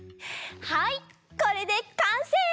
はいこれでかんせい！